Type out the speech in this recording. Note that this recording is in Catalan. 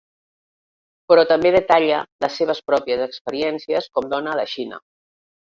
Però també detalla les seves pròpies experiències com dona a la Xina.